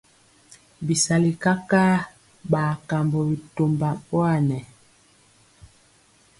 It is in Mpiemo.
Bisali kakaa ɓa kambɔ bitomba ɓowanɛ.